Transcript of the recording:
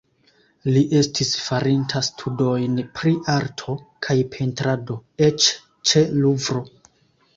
Li estis farinta studojn pri arto kaj pentrado eĉ ĉe Luvro.